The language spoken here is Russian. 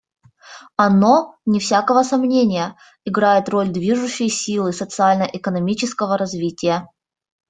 Оно, вне всякого сомнения, играет роль движущей силы социально-экономического развития.